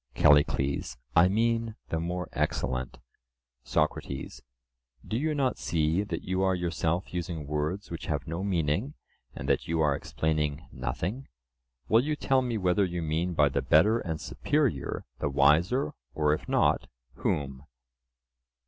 CALLICLES: I mean the more excellent. SOCRATES: Do you not see that you are yourself using words which have no meaning and that you are explaining nothing?—will you tell me whether you mean by the better and superior the wiser, or if not, whom?